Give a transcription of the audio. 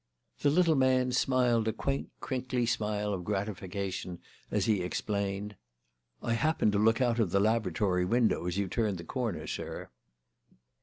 The little man smiled a quaint, crinkly smile of gratification as he explained: "I happened to look out of the laboratory window as you turned the corner, sir."